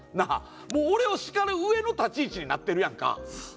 もう俺を叱る上の立ち位置になってるやんか。